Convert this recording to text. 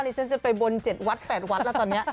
ฉันจะไปบน๗วัด๘วัดแล้วตอนนี้